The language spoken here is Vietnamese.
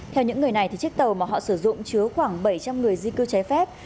theo những người này chiếc tàu mà họ sử dụng chứa khoảng bảy trăm linh người di cư trái phép